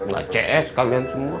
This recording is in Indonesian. gak cs kalian semua